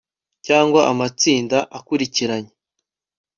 cyangwa amatsinda akurikiranye